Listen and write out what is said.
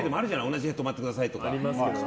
同じ部屋泊まってくださいとか。